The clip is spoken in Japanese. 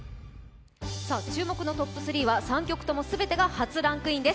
注目のトップ３は３曲ともすべて初ランクインです。